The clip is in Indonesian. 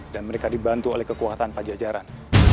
dan mereka dibantu oleh kekuatan pajajaran